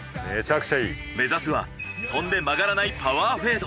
目指すは飛んで曲がらないパワーフェード。